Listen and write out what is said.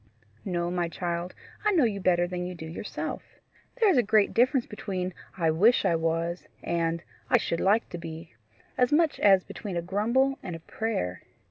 "No, my child; I know you better than you do yourself. There is a great difference between I WISH I WAS and I SHOULD LIKE TO BE as much as between a grumble and a prayer.